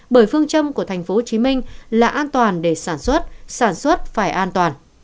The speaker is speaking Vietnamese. bởi phương châm của tp hcm là an toàn để sản xuất sản xuất phải an toàn